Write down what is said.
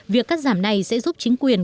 việc cắt giảm này sẽ giúp chính quyền